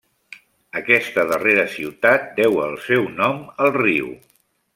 Aquesta darrera ciutat deu el seu nom al riu.